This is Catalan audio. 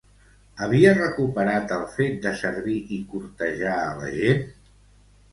Havia recuperat el fet de servir i cortejar a la gent?